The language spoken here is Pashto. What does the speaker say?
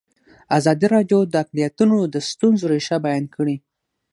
ازادي راډیو د اقلیتونه د ستونزو رېښه بیان کړې.